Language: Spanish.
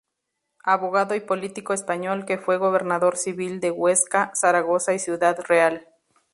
Abogado y político español que fue Gobernador Civil de Huesca, Zaragoza y Ciudad Real.